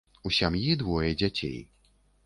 У сям'і двое дзяцей.